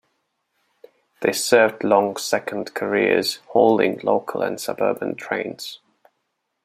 They served long second careers hauling local and suburban trains.